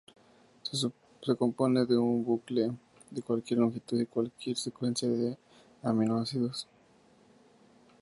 Se compone de un bucle de cualquier longitud y cualquier secuencia de aminoácidos.